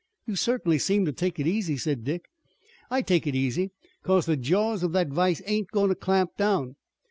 "You certainly seem to take it easy," said Dick. "I take it easy, 'cause the jaws of that vise ain't goin' to clamp down.